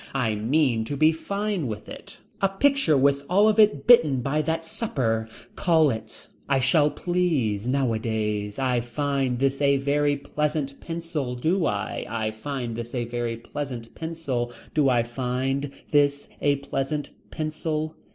I mean to be fine with it. A picture with all of it bitten by that supper. Call it. I shall please. Nowadays. I find this a very pleasant pencil. Do I. I find this a very pleasant pencil. Do I find this a pleasant pencil.